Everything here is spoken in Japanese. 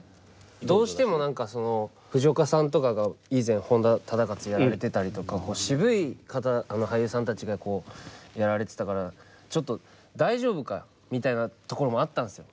どうしても何かその藤岡さんとかが以前本多忠勝やられてたりとか渋い方俳優さんたちがやられてたからちょっと大丈夫かみたいなところもあったんですよ。